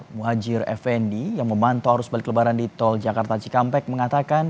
muhajir effendi yang memantau arus balik lebaran di tol jakarta cikampek mengatakan